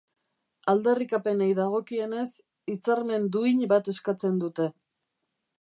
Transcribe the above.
Aldarrikapenei dagokienez, hitzarmen duin bat eskatzen dute.